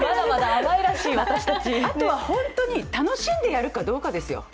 あとは本当に楽しんでやるかどうかですよ。